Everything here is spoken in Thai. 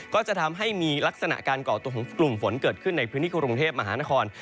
ก็จะทำให้มีลักษณะการก่อตัวของกลุ่มฝนเกิดขึ้นในพื้นที่กรุงเทพมหานคร